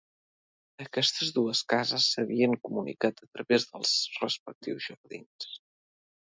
Aquestes dues cases s'havien comunicat a través dels respectius jardins.